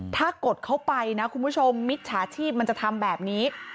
ถ้ากดเข้าไปนะคุณผู้ชมมิจฉาชีพมันจะทำแบบนี้